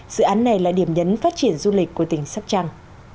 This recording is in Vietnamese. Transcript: dự án này là điểm nhấn phát triển du lịch của tỉnh sắp trăng